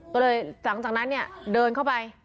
ก็เลยหลังจากนั้นเนี่ยเดินเข้าไป